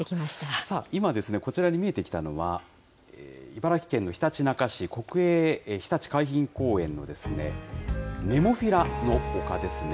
さあ、今、こちらに見えてきたのは、茨城県のひたちなか市国営ひたち海浜公園のネモフィラの丘ですね。